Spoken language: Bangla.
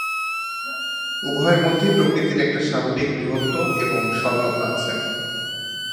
উভয়ের মধ্যেই প্রকৃতির একটা স্বাভাবিক বৃহত্ত্ব এবং সরলতা আছে।